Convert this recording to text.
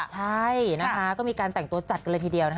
ใช่มีการแต่งตัวจัดกันเลยทีเดียว